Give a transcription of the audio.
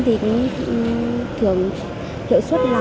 thưởng hiệu suất là